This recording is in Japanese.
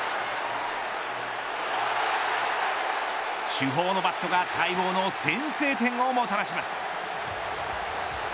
主砲のバットが待望の先制点をもたらします。